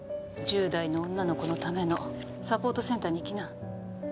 １０代の女の子のためのサポートセンターに行きな